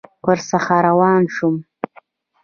ورڅخه روان شوم.